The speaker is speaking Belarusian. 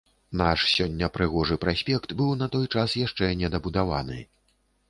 Наш сёння прыгожы праспект быў на той час яшчэ не дабудаваны.